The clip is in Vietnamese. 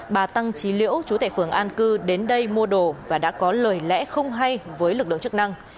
bà tăng trí liễu chú tại phường an cư đến đây mua đồ và đã có lời lẽ không hay với lực lượng chức năng